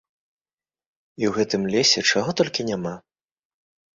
І ў гэтым лесе чаго толькі няма!